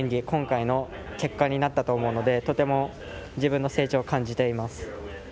今回の結果になったと思うのでとても自分の成長を感じています。